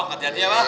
oh hati hatilah mbah